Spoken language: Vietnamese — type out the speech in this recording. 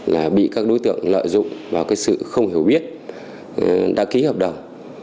là bị các đối tượng lợi dụng vào cái sự không hiểu biết đã ký hợp đồng